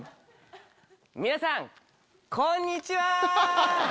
皆さんこんにちは！